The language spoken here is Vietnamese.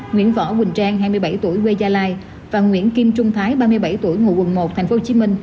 nguyễn võ quỳnh trang hai mươi bảy tuổi quê gia lai và nguyễn kim trung thái ba mươi bảy tuổi ngụ quận một tp hcm